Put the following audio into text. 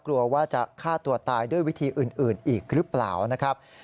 กลัวว่าจะฆ่าตัวตายด้วยวิธีอื่นอีกหรือเปล่านะครับ